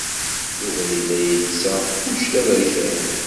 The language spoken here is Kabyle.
Yuba yella yelsa kullec d aberkan.